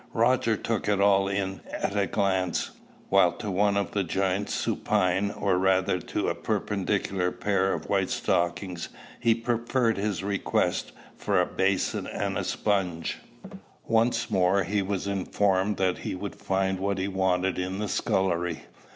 Roger took it all in at a glance, while to one of the giants supine, or rather to a perpendicular pair of white stockings, he preferred his request for a basin and a sponge. Once more he was informed that he would find what he wanted in the scullery.